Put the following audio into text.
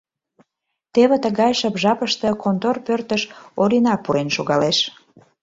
Теве тыгай шып жапыште контор пӧртыш Орина пурен шогалеш.